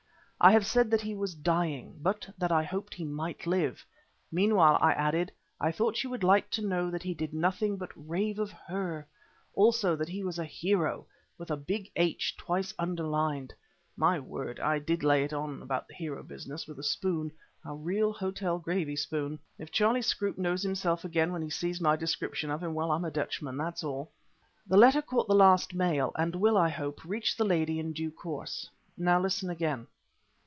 I have said that he was dying, but that I hoped he might live. Meanwhile, I added, I thought she would like to know that he did nothing but rave of her; also that he was a hero, with a big H twice underlined. My word! I did lay it on about the hero business with a spoon, a real hotel gravy spoon. If Charlie Scroope knows himself again when he sees my description of him, well, I'm a Dutchman, that's all. The letter caught the last mail and will, I hope, reach the lady in due course. Now listen again.